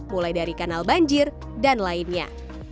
mulai dari kanal banjir dan lainnya